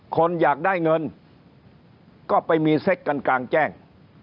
คนอยากได้เงินก็ไปมีเซ็กกันกลางแจ้ง